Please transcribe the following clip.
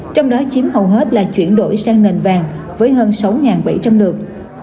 trong đó chiếm hầu hết là chuyển đổi sang nền vàng với hơn sáu bảy trăm linh lượt